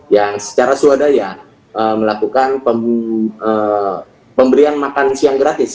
yang secara swadaya melakukan pemberian makan siang gratis